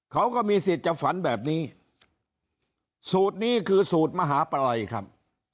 เขาก็มีสิทธิ์จะฝันแบบนี้สูตรนี้คือสูตรมหาปลัยครับ